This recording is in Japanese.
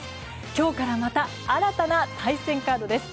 今日からまた新たな対戦カードです。